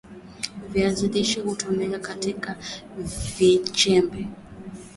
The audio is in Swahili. viazi lishe pia hutumika kama vichembe